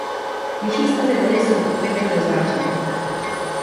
Vyšší stavy vody jsou od května do září.